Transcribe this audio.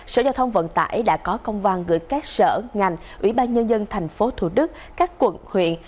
sở giao thông vận tải đã có công văn gửi các sở ngành ủy ban nhân dân tp thủ đức các quận huyện